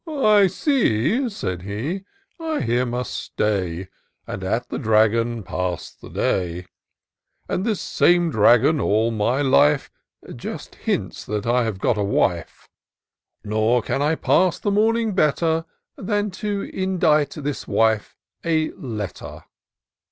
" I see," said he, " I here must stay, And at the Dragon pass the day: 90 TOUR OF DOCTOR SYNTAX And this same Dragon, on my life, Just hints that I have got a wife ; Nor can I pass the morning better, Than to indite this wife a letter."